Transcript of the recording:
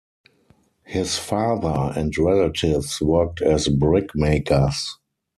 His father and relatives worked as brickmakers.